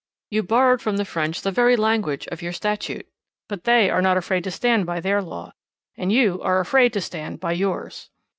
You borrowed from the French the very language of your Statute, but they are not afraid to stand by their law, and you are afraid to stand by yours.